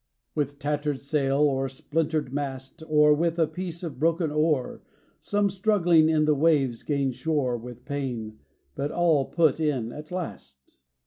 With tattered sail or splintered mast Or with a piece of broken oar, Some struggling in the waves gain shore. With pain; but all put in at last.